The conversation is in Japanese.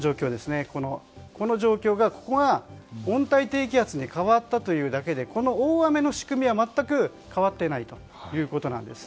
この状況で、ここが温帯低気圧に変わったというだけでこの大雨の仕組みは、全く変わっていないということです。